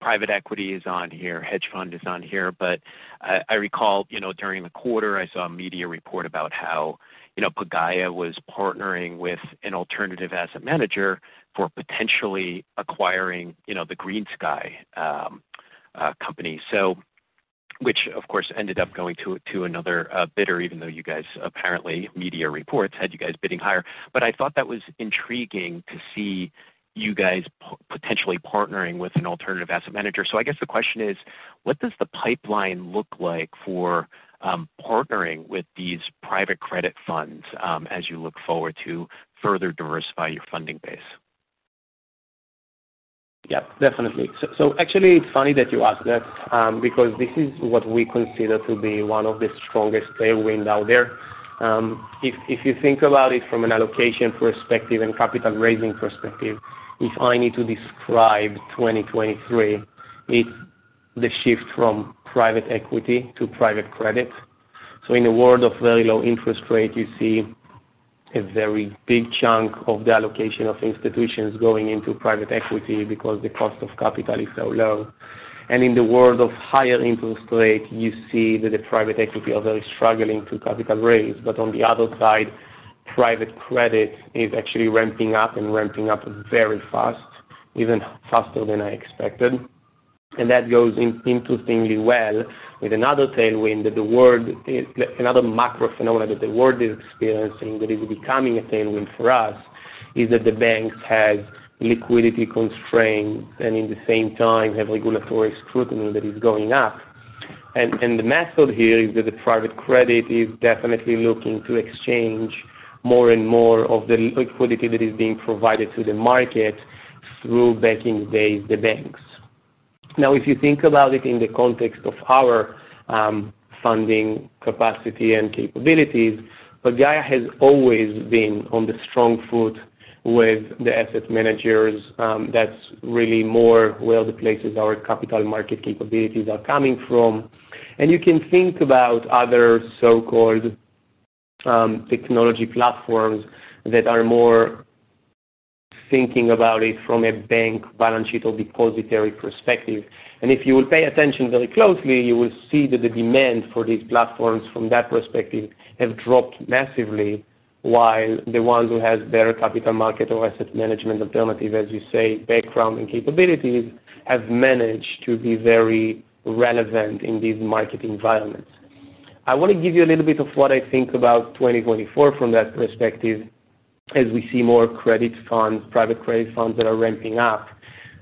private equity is on here, hedge fund is on here. But I, I recall, you know, during the quarter, I saw a media report about how, you know, Pagaya was partnering with an alternative asset manager for potentially acquiring, you know, the GreenSky company. So which of course, ended up going to another bidder, even though you guys apparently, media reports, had you guys bidding higher. But I thought that was intriguing to see you guys potentially partnering with an alternative asset manager. So I guess the question is: What does the pipeline look like for partnering with these private credit funds, as you look forward to further diversify your funding base? Yeah, definitely. So actually, it's funny that you ask that, because this is what we consider to be one of the strongest tailwinds out there. If you think about it from an allocation perspective and capital raising perspective, if I need to describe 2023, it's the shift from private equity to private credit. In a world of very low interest rate, you see a very big chunk of the allocation of institutions going into private equity because the cost of capital is so low. In the world of higher interest rate, you see that the private equity are very struggling to capital raise. But on the other side, private credit is actually ramping up and ramping up very fast, even faster than I expected. That goes in interestingly well with another tailwind, that the world, another macro phenomenon that the world is experiencing, that is becoming a tailwind for us, is that the banks have liquidity constraints, and in the same time, have regulatory scrutiny that is going up. And the method here is that the private credit is definitely looking to exchange more and more of the liquidity that is being provided to the market through banking base, the banks. Now, if you think about it in the context of our funding capacity and capabilities, Pagaya has always been on the strong foot with the asset managers. That's really more where the places our capital market capabilities are coming from. And you can think about other so-called technology platforms that are more thinking about it from a bank balance sheet or depository perspective. If you would pay attention very closely, you will see that the demand for these platforms from that perspective have dropped massively, while the ones who have better capital market or asset management alternative, as you say, background and capabilities, have managed to be very relevant in these market environments. I want to give you a little bit of what I think about 2024 from that perspective. As we see more credit funds, private credit funds that are ramping up,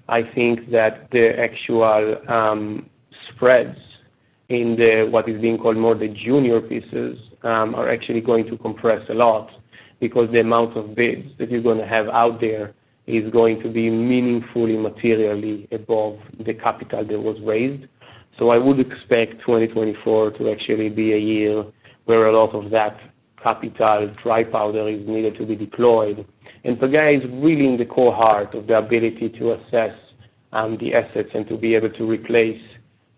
I think that the actual, spreads in the what is being called more the junior pieces, are actually going to compress a lot because the amount of bids that you're going to have out there is going to be meaningfully, materially above the capital that was raised. So I would expect 2024 to actually be a year where a lot of that capital dry powder is needed to be deployed. And Pagaya is really in the core heart of the ability to assess the assets and to be able to replace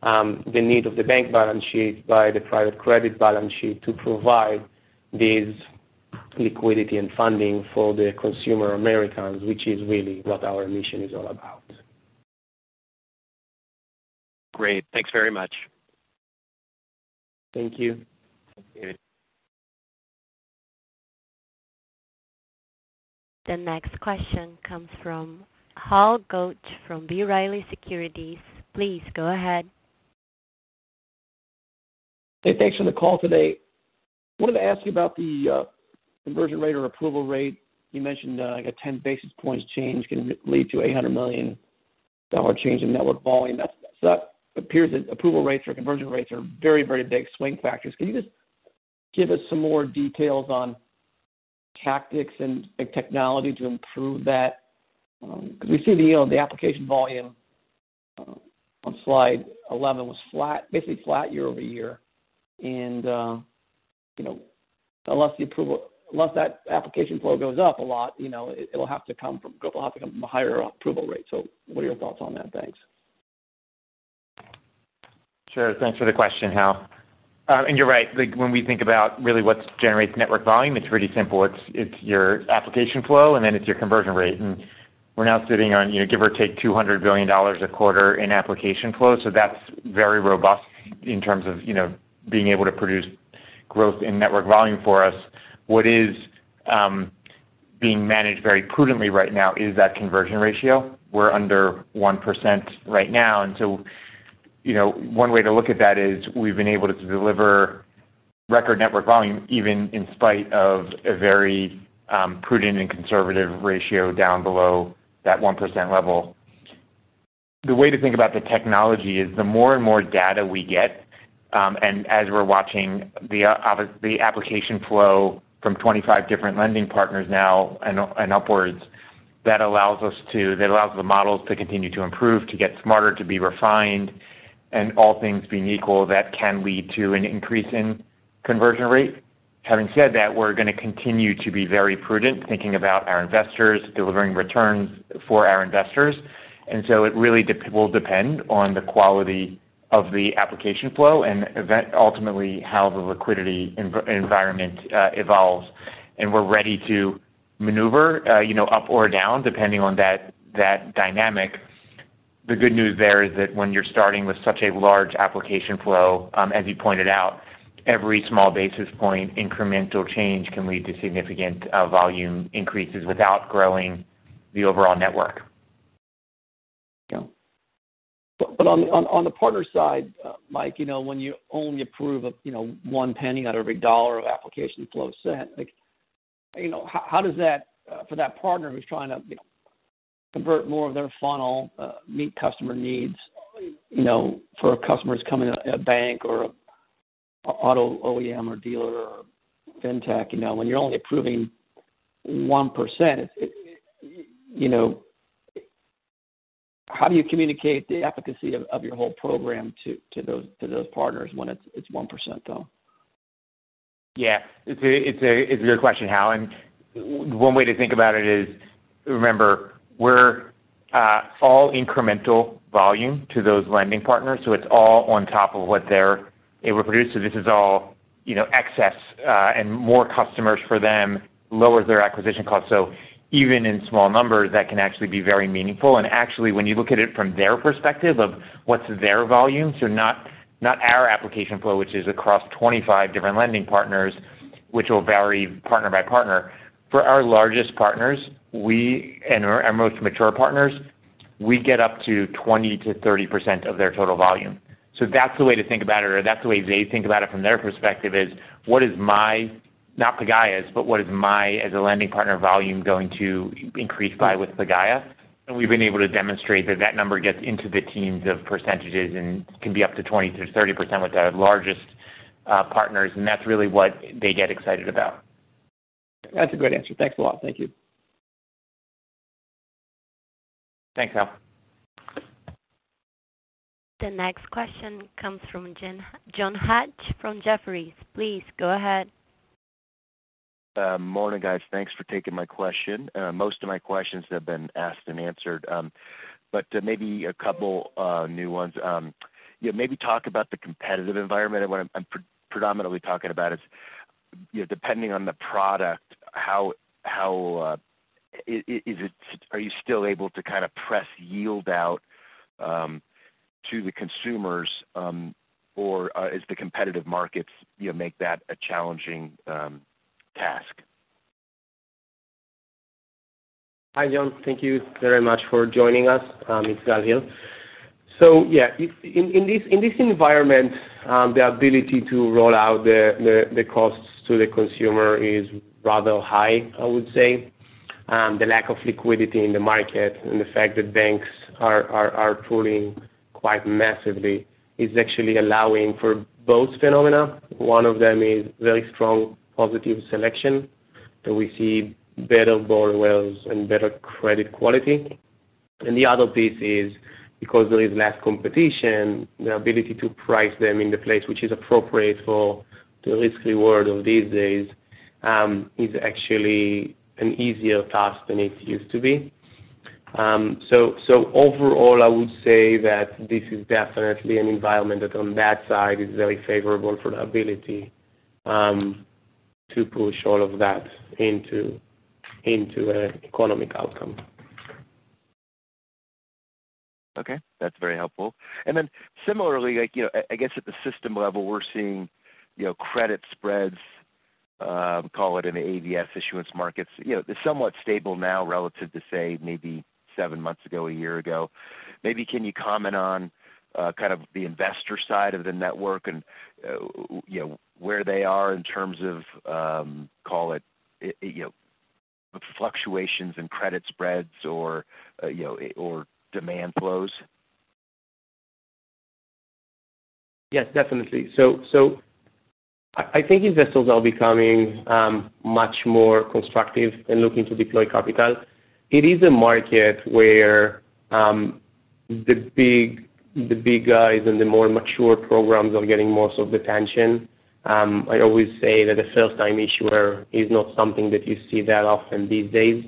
the need of the bank balance sheet by the private credit balance sheet, to provide these liquidity and funding for the consumer Americans, which is really what our mission is all about. Great. Thanks very much. Thank you. Thank you. The next question comes from Hal Goetsch from B. Riley Securities. Please go ahead. Hey, thanks for the call today. Wanted to ask you about the conversion rate or approval rate. You mentioned, like a 10 basis points change can lead to a $100 million change in network volume. That appears that approval rates or conversion rates are very, very big swing factors. Can you just give us some more details on tactics and technology to improve that? Because we see the, you know, the application volume on slide 11 was flat, basically flat year-over-year. And, you know, unless that application flow goes up a lot, you know, it'll have to come from, it'll have to come from a higher approval rate. So what are your thoughts on that? Thanks. Sure. Thanks for the question, Hal. And you're right, like, when we think about really what generates network volume, it's pretty simple. It's, it's your application flow, and then it's your conversion rate. And we're now sitting on, you know, give or take, $200 billion a quarter in application flow. So that's very robust in terms of, you know, being able to produce growth in network volume for us. What is being managed very prudently right now is that conversion ratio. We're under 1% right now, and so, you know, one way to look at that is we've been able to deliver record network volume, even in spite of a very prudent and conservative ratio down below that 1% level. The way to think about the technology is, the more and more data we get, and as we're watching the application flow from 25 different lending partners now and upwards, that allows us to. That allows the models to continue to improve, to get smarter, to be refined, and all things being equal, that can lead to an increase in conversion rate. Having said that, we're going to continue to be very prudent, thinking about our investors, delivering returns for our investors. And so it really will depend on the quality of the application flow and ultimately, how the liquidity environment evolves. And we're ready to maneuver, you know, up or down, depending on that, that dynamic. The good news there is that when you're starting with such a large application flow, as you pointed out, every small basis point, incremental change can lead to significant, volume increases without growing the overall network. Yeah. But on the partner side, Mike, you know, when you only approve of, you know, one penny out of every dollar of application flow set, like, you know, how does that for that partner who's trying to, you know, convert more of their funnel, meet customer needs, you know, for customers coming a bank or auto OEM or dealer or fintech, you know, when you're only approving 1%, it, you know, how do you communicate the efficacy of your whole program to those partners when it's 1%, though?... Yeah, it's a good question, Hal. And one way to think about it is, remember, we're all incremental volume to those lending partners, so it's all on top of what they're able to produce. So this is all, you know, excess, and more customers for them lowers their acquisition cost. So even in small numbers, that can actually be very meaningful. And actually, when you look at it from their perspective of what's their volume, so not our application flow, which is across 25 different lending partners, which will vary partner by partner. For our largest partners, and our most mature partners, we get up to 20%-30% of their total volume. So that's the way to think about it, or that's the way they think about it from their perspective, is what is my, not Pagaya's, but what is my, as a lending partner, volume going to increase by with Pagaya? And we've been able to demonstrate that that number gets into the teens of percentages and can be up to 20%-30% with our largest partners, and that's really what they get excited about. That's a great answer. Thanks a lot. Thank you. Thanks, Hal. The next question comes from John Hecht from Jefferies. Please go ahead. Morning, guys. Thanks for taking my question. Most of my questions have been asked and answered, but maybe a couple new ones. Yeah, maybe talk about the competitive environment, and what I'm predominantly talking about is, you know, depending on the product, how is it are you still able to kind of press yield out to the consumers, or is the competitive markets, you know, make that a challenging task? Hi, John. Thank you very much for joining us. It's Gal here. So yeah, if in this environment, the ability to roll out the costs to the consumer is rather high, I would say. The lack of liquidity in the market and the fact that banks are pulling quite massively is actually allowing for both phenomena. One of them is very strong positive selection, that we see better borrowers and better credit quality. And the other piece is because there is less competition, the ability to price them in the place which is appropriate for the risky world of these days, is actually an easier task than it used to be. So, overall, I would say that this is definitely an environment that, on that side, is very favorable for the ability to push all of that into an economic outcome. Okay, that's very helpful. And then similarly, like, you know, I guess at the system level, we're seeing, you know, credit spreads in the ABS issuance markets. You know, they're somewhat stable now relative to, say, maybe seven months ago, a year ago. Maybe can you comment on kind of the investor side of the network and, you know, where they are in terms of, call it, you know, fluctuations in credit spreads or, you know, or demand flows? Yes, definitely. So, so I, I think investors are becoming much more constructive in looking to deploy capital. It is a market where the big, the big guys and the more mature programs are getting most of the attention. I always say that a first-time issuer is not something that you see that often these days.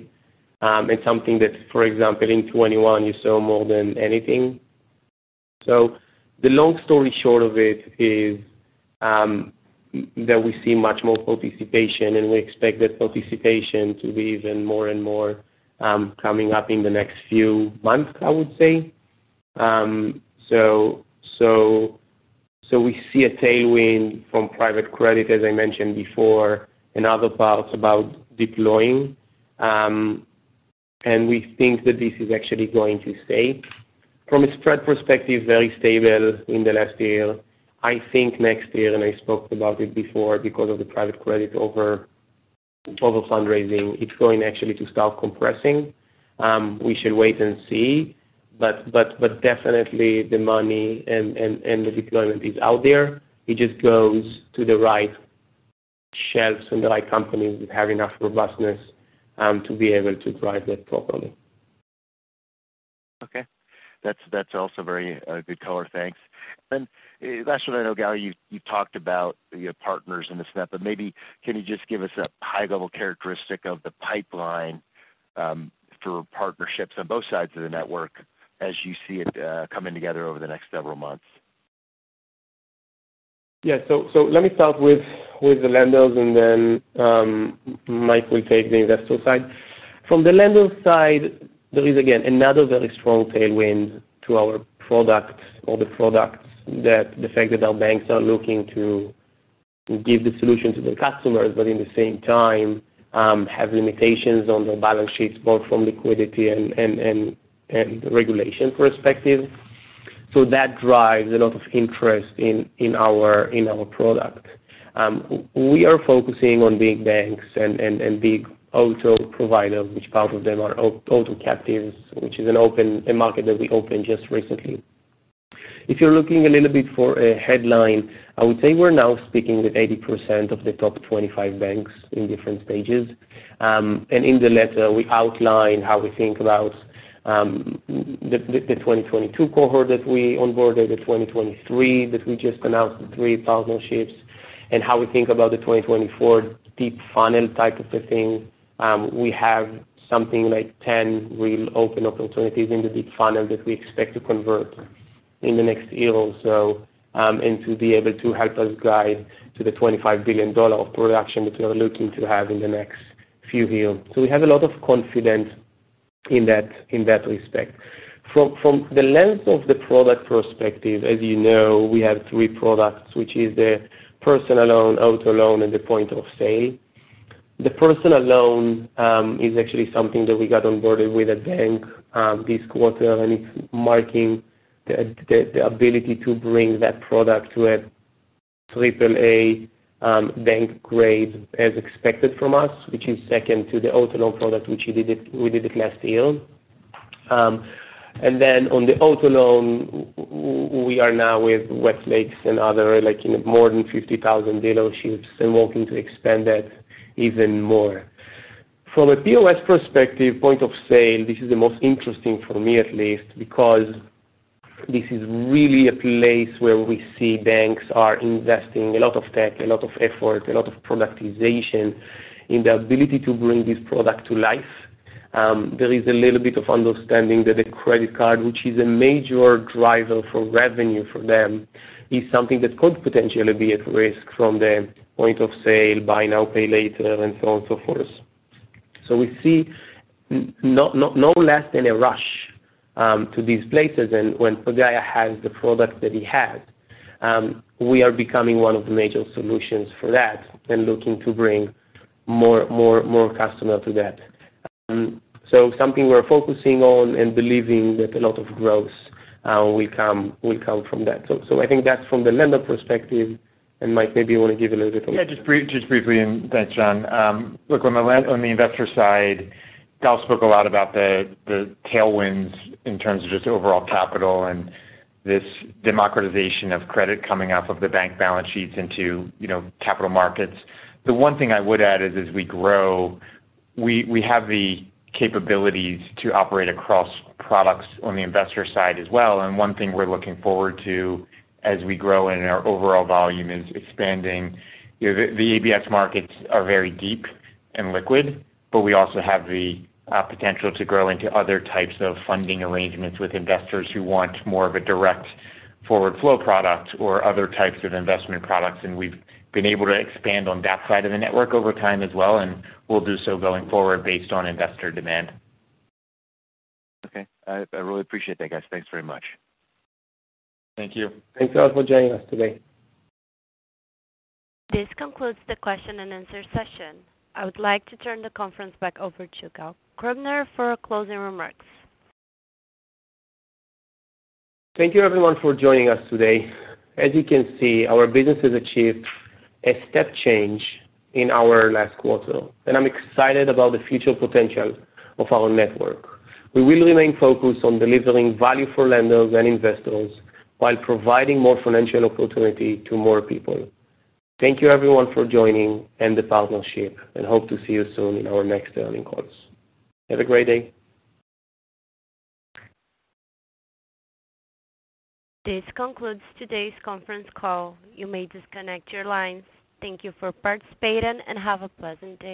It's something that, for example, in 2021 you saw more than anything. So the long story short of it is that we see much more participation, and we expect that participation to be even more and more coming up in the next few months, I would say. So, so, so we see a tailwind from private credit, as I mentioned before, and other parts about deploying. And we think that this is actually going to stay. From a spread perspective, very stable in the last year. I think next year, and I spoke about it before, because of the private credit over fundraising, it's going actually to start compressing. We should wait and see, but definitely the money and the deployment is out there. It just goes to the right shelves and the right companies who have enough robustness to be able to drive that properly. Okay. That's, that's also very good color. Thanks. And last one, I know, Gal, you, you talked about your partners and this, that, but maybe can you just give us a high-level characteristic of the pipeline for partnerships on both sides of the network as you see it coming together over the next several months? Yeah. So let me start with the lenders, and then Mike will take the investor side. From the lender side, there is again another very strong tailwind to our products or the products that the fact that our banks are looking to give the solution to their customers, but in the same time have limitations on their balance sheets, both from liquidity and regulation perspective. So that drives a lot of interest in our product. We are focusing on big banks and big auto provider, which part of them are auto captives, which is an open market that we opened just recently. If you're looking a little bit for a headline, I would say we're now speaking with 80% of the top 25 banks in different stages. And in the letter, we outline how we think about the 2022 cohort that we onboarded, the 2023 that we just announced the three partnerships, and how we think about the 2024 deep funnel type of the thing. We have something like 10 real open opportunities in the deep funnel that we expect to convert in the next year or so, and to be able to help us guide to the $25 billion of production that we are looking to have in the next few years. So we have a lot of confidence in that, in that respect. From the lens of the product perspective, as you know, we have three products, which is the personal loan, auto loan, and the point of sale. The personal loan is actually something that we got onboarded with a bank this quarter, and it's marking the ability to bring that product to a AAA bank grade as expected from us, which is second to the auto loan product, which we did it, we did it last year. And then on the auto loan, we are now with Westlake and other, like, you know, more than 50,000 dealerships, and working to expand that even more. From a POS perspective, point of sale, this is the most interesting for me at least, because this is really a place where we see banks are investing a lot of tech, a lot of effort, a lot of productization in the ability to bring this product to life. There is a little bit of understanding that a credit card, which is a major driver for revenue for them, is something that could potentially be at risk from the point-of-sale, buy now, pay later, and so on, so forth. So we see no less than a rush to these places, and when Pagaya has the product that it has, we are becoming one of the major solutions for that and looking to bring more, more, more customer to that. So something we're focusing on and believing that a lot of growth will come, will come from that. So I think that's from the lender perspective, and Mike, maybe you want to give a little bit on that? Yeah, just briefly, and thanks, John. Look, on the investor side, Gal spoke a lot about the tailwinds in terms of just overall capital and this democratization of credit coming off of the bank balance sheets into, you know, capital markets. The one thing I would add is as we grow, we have the capabilities to operate across products on the investor side as well, and one thing we're looking forward to as we grow and our overall volume is expanding, you know, the ABS markets are very deep and liquid, but we also have the potential to grow into other types of funding arrangements with investors who want more of a direct forward flow product or other types of investment products. We've been able to expand on that side of the network over time as well, and we'll do so going forward based on investor demand. Okay. I really appreciate that, guys. Thanks very much. Thank you. Thanks, guys, for joining us today. This concludes the question and answer session. I would like to turn the conference back over to Gal Krubiner for closing remarks. Thank you, everyone, for joining us today. As you can see, our business has achieved a step change in our last quarter, and I'm excited about the future potential of our network. We will remain focused on delivering value for lenders and investors while providing more financial opportunity to more people. Thank you, everyone, for joining and the partnership, and hope to see you soon in our next earnings calls. Have a great day. This concludes today's conference call. You may disconnect your lines. Thank you for participating, and have a pleasant day.